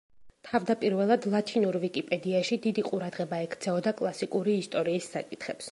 თავდაპირველად ლათინურ ვიკიპედიაში დიდი ყურადღება ექცეოდა კლასიკური ისტორიის საკითხებს.